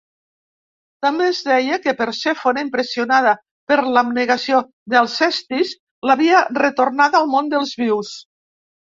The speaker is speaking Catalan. També es deia que Persèfone, impressionada per l'abnegació d'Alcestis, l'havia retornada al món dels vius.